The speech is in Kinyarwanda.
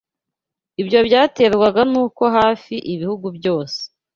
Ibyo byaterwaga n’uko hafi ibihugu byose